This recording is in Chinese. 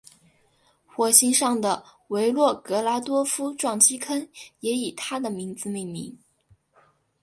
火星上的维诺格拉多夫撞击坑也以他的名字命名。